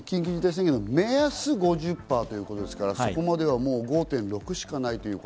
緊急事態宣言の目安は５０％ですから、そこまではもう５．６しかない。